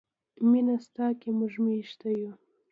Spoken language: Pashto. مینه ستا کې موږ میشته یو.